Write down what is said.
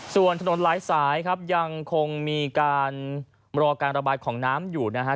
ส่วนถนนหลายสายครับยังคงมีการรอการระบายของน้ำอยู่นะฮะ